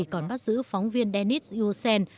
còn bắt giữ phóng viên denis yusen